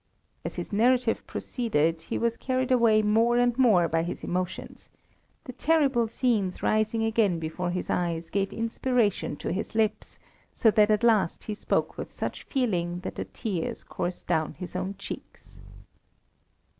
As his narrative proceeded he was carried away more and more by his emotions; the terrible scenes rising again before his eyes gave inspiration to his lips, so that at last he spoke with such feeling that the tears coursed down his own cheeks.